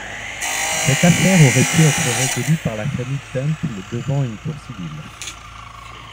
Cette affaire aurait pu être résolue par la famille Templ devant une cour civile.